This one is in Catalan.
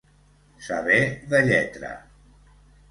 Saber de lletra.